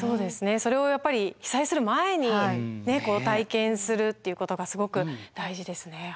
それをやっぱり被災する前に体験するっていうことがすごく大事ですね。